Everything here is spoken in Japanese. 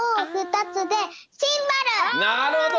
なるほど！